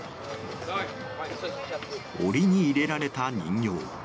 檻に入れられた人形。